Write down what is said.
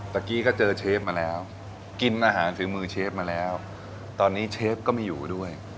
เมื่อกี้ก็เจอเชฟมาแล้วกินอาหารฝีมือเชฟมาแล้วตอนนี้เชฟก็ไม่อยู่ด้วย